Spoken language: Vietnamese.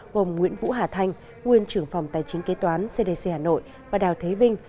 gồm nguyễn vũ hà thanh nguyên trưởng phòng tài chính kế toán cdc hà nội và đào thế vinh